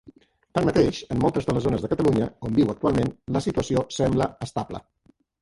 Tanmateix, en moltes de les zones de Catalunya on viu actualment, la situació sembla estable.